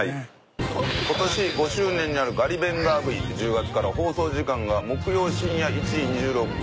今年５周年になる『ガリベンガーＶ』１０月から放送時間が木曜深夜１時２６分にお引っ越し。